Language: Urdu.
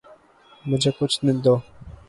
مجھے کچھ دن دو۔